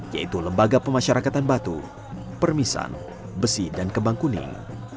yaitu lembaga pemasyarakatan batu permisan besi dan kebangkuning